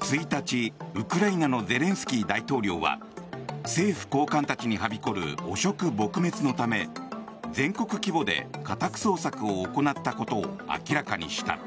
１日、ウクライナのゼレンスキー大統領は政府高官たちにはびこる汚職撲滅のため全国規模で家宅捜索を行ったことを明らかにした。